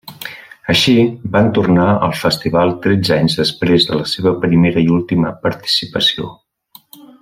Així, van tornar al festival tretze anys després de la seva primera i última participació.